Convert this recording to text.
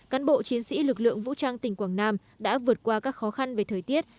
cán bộ chiến sĩ lực lượng vũ trang tỉnh quảng nam đã vượt qua các khó khăn về thời tiết